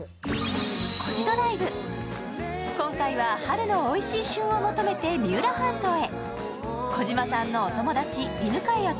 今回は春のおいしい旬を求めて三浦半島へ。